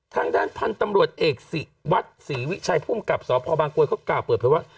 ทางด้านพันธุ์ตำรวจเอกศิวัตรศรีวิชัยภูมิกับสพบางกรวยเขากล่าวเปิดเผยว่า